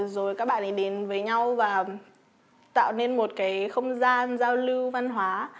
rồi các bạn ấy đến với nhau và tạo nên một cái không gian giao lưu văn hóa